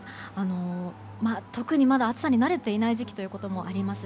特に、まだ暑さに慣れていない時期ということもあります